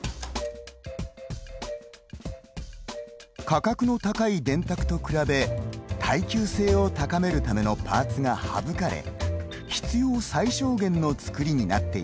価格の高い電卓と比べ耐久性を高めるためのパーツが省かれ、必要最小限の作りになっていました。